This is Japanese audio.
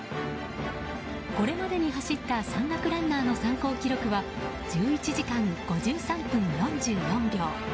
これまでに走った山岳ランナーの参考記録は１１時間５３分４４秒。